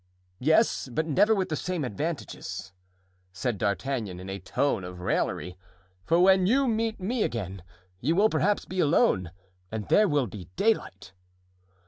"Yes, but never with the same advantages," said D'Artagnan, in a tone of raillery; "for when you meet me again you will perhaps be alone and there will be daylight."